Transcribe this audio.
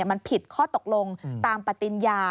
มันผิดข้อตกลงตามปฏิญญา